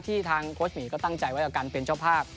ทางโค้ชหมีก็ตั้งใจไว้กับการเป็นเจ้าภาพ